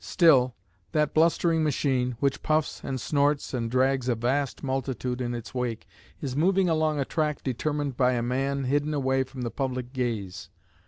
Still that blustering machine, which puffs and snorts, and drags a vast multitude in its wake, is moving along a track determined by a man hidden away from the public gaze.